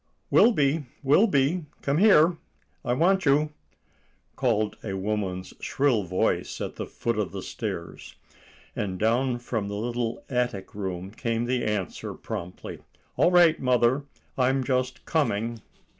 * "Wilby! Wilby! come here; I want you," called a woman's shrill voice at the foot of the stairs. And down from the little attic room came the answer promptly,— "All right, mother; I'm just coming."